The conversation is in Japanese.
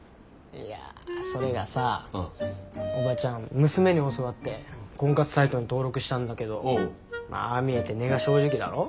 いやそれがさオバチャン娘に教わって婚活サイトに登録したんだけどああ見えて根が正直だろ？